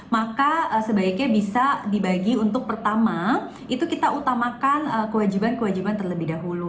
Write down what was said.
maka sebaiknya bisa dibagi untuk pertama itu kita utamakan kewajiban kewajiban terlebih dahulu